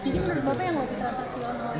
jadi menurut bapak yang lobby transaksional